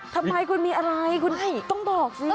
ทำไมคุณมีอะไรคุณต้องบอกสิ